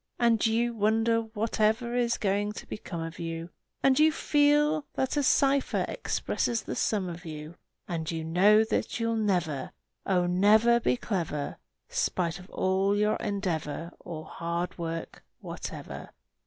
And you wonder whatever is going to become of you, And you feel that a cipher expresses the sum of you; And you know that you'll never, Oh, never, be clever, Spite of all your endeavor Or hard work or whatever!